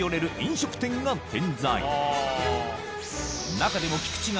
中でも菊池が